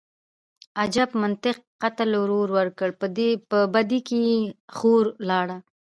_اجب منطق، قتل ورور وکړ، په بدۍ کې يې خور لاړه.